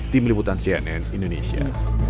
tim liputan cnn indonesia